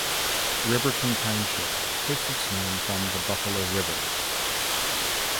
Riverton Township takes its name from the Buffalo River.